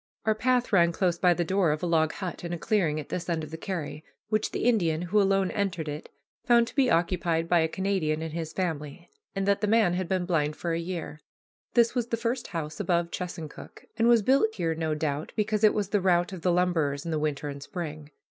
Our path ran close by the door of a log hut in a clearing at this end of the carry, which the Indian, who alone entered it, found to be occupied by a Canadian and his family, and that the man had been blind for a year. This was the first house above Chesuncook, and was built here, no doubt, because it was the route of the lumberers in the winter and spring.